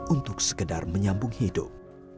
untuk sekedar menyambung hidup